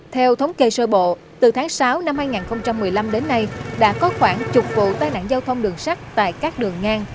theo thống kê sơ bộ từ tháng sáu năm hai nghìn một mươi năm đến nay đã có khoảng chục vụ tai nạn giao thông đường sắt tại các đường ngang